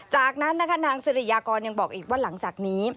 จากนั้นนะคะนางสิริยากรยังบอกอีกว่าหลังจากนี้